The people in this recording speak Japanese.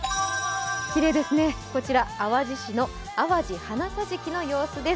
きれいですね、こちら淡路市のあわじ花さじきの様子。